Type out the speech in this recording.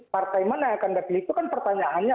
partai mana yang anda pilih itu kan pertanyaannya